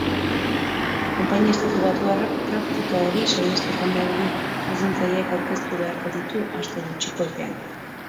Konpainia estatubatuarrak praktika hori saihesteko neurri zuzentzaileak aurkeztu beharko ditu aste gutxiko epean.